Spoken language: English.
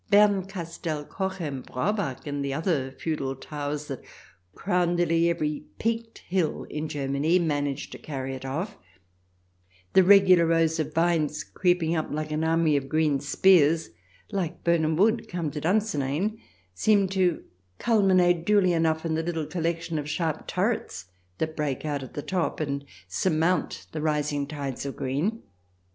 Berncastel, Cochem, Braubach, and the other feudal towers that crown nearly every peaked hill in Germany, manage to carry it off The regular rows of vines, creeping up like an army of green spears — like Birnam Wood CH. XXI] "TAKE US THE LITTLE FOXES" 299 come to Dunsinane — seem to culminate dully enough in the little collection of sharp turrets that break out at the top, and surmount the rising tides of green.